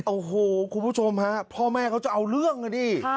โอ้โหคุณผู้ชมฮะพ่อแม่เขาจะเอาเรื่องกันดิ